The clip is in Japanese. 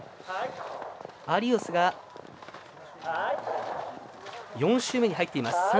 有安が４周目に入っています。